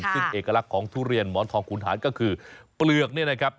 ซึ่งเอกลักษณ์ของทุเรียนหมอนทองขุนหารก็คือเปลือกเนี่ยนะครับ